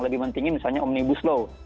lebih penting misalnya omnibus law